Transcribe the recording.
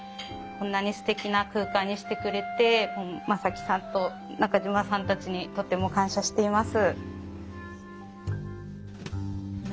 こんなにすてきな空間にしてくれて真己さんと中島さんたちにとても感謝しています。